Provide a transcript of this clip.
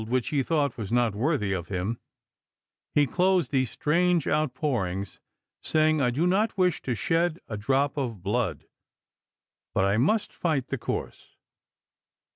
which he thought was not worthy of him, he closed these strange outpourings, saying, " I do not wish to shed a drop of blood, but I must fight the course."